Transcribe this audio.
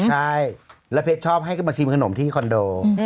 ใช่แล้วเพชรชอบให้ก็มาชิมขนมที่คอนโด